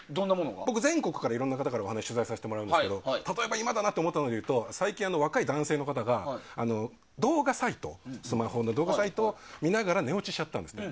僕、全国のいろんな方からお話、取材させてもらうんですが今だなって思ったので言うと最近、若い男性の方がスマホの動画サイトを見ながら寝落ちしちゃったんですね。